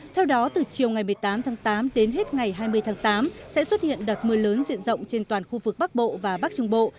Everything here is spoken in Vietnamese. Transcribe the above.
theo đó từ chiều ngày một mươi tám tháng tám đến hết ngày hai mươi tháng tám sẽ xuất hiện đợt mưa lớn diện rộng trên toàn khu vực bắc bộ và bắc trung bộ